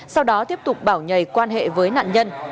sau đó tiếp tục bảo nhầy quan hệ với nạn nhân